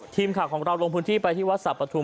ทีมข่าวของเราลงพื้นที่ไปที่วัดสรรปฐุม